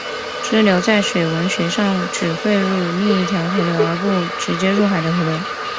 支流在水文学上指汇入另一条河流而不直接入海的河流。